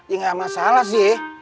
ya gak masalah sih